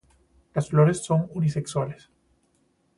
Las flores son unisexuales.